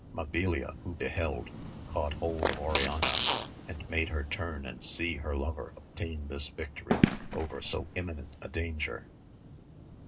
Mabilia, who beheld, caught hold of Oriana and made her turn and see her lover obtain this victory over so imminent a danger.